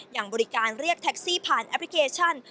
ยังบริการเรียกแท็กซี่ผ่านแอปพลิเคชัน